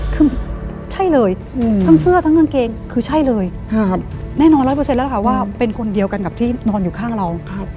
คือใช่เลยทั้งเสื้อทั้งกางเกงคือใช่เลยแน่นอนร้อยเปอร์เซ็นแล้วล่ะค่ะว่าเป็นคนเดียวกันกับที่นอนอยู่ข้างเรา